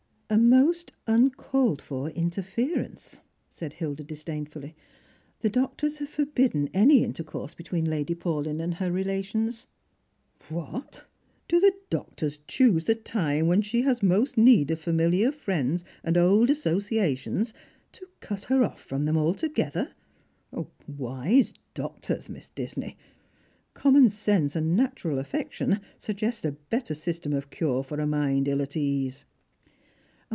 " A most uncalled for interference," said Hilda disdainfully^ "The doctors have forbidden any intercourse between Lady Paulyn and her relations." " What, do the doctors choose the time when she has most need of familiar friends and old associations to cut her oil from them altogether ? Wise doctors, Miss Disney ! Common eense and natural affection suggest a better system of cure for a mind ill at ease."